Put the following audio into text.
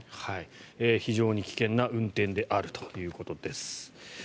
非常に危険な運転であるということです。